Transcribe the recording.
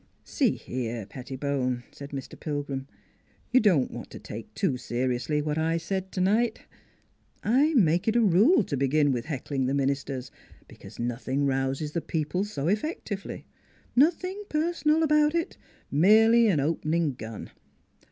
" See here, Pettibone," said Mr. Pilgrim, " you don't want to take too seriously what I said to night. I make it a rule to begin with heckling the ministers, because nothing rouses the people so effectively. Nothing personal about it; merely an opening gun.